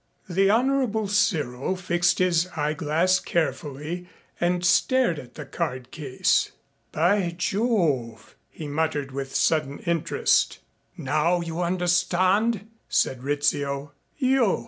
The Honorable Cyril fixed his eyeglass carefully and stared at the card case. "By Jove," he muttered, with sudden interest. "Now you understand?" said Rizzio. "You!"